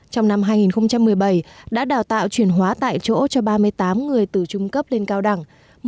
trong năm hai nghìn một mươi bảy đã đào tạo chuyển hóa tại chỗ cho ba mươi tám người từ trung cấp lên cao đẳng